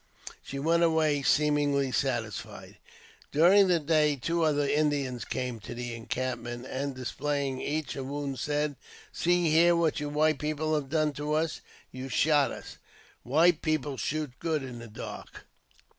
She went away seemingly satisfied. During the day two other Indians came to the encampment, and, displaying each a wound, said, See here what you white people have done to us ; you shot us ; white people shoot good in the dark."